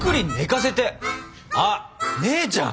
あっ姉ちゃん！